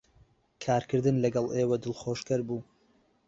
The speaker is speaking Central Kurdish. کارکردن لەگەڵ ئێوە دڵخۆشکەر بوو.